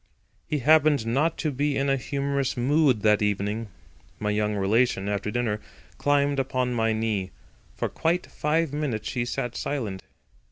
He happened not to be in a humorous mood that evening. My young relation, after dinner, climbed upon my knee. For quite five minutes she sat silent.